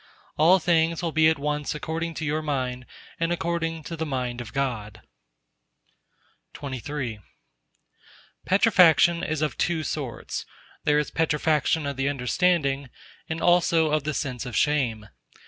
All things will be at once according to your mind and according to the Mind of God. XXIII Petrifaction is of two sorts. There is petrifaction of the understanding; and also of the sense of shame.